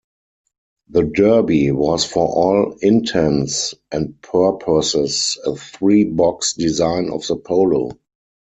The Derby was for all intents and purposes a three-box design of the Polo.